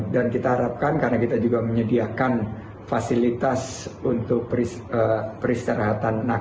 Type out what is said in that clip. dan kita harapkan karena kita juga menyediakan fasilitas untuk peristirahatan nakes